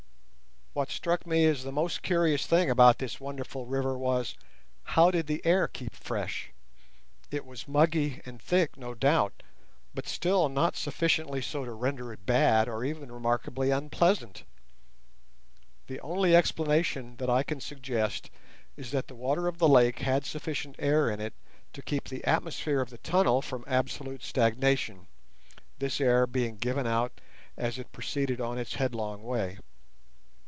What struck me as the most curious thing about this wonderful river was: how did the air keep fresh? It was muggy and thick, no doubt, but still not sufficiently so to render it bad or even remarkably unpleasant. The only explanation that I can suggest is that the water of the lake had sufficient air in it to keep the atmosphere of the tunnel from absolute stagnation, this air being given out as it proceeded on its headlong way.